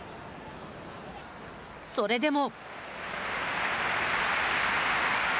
それでも。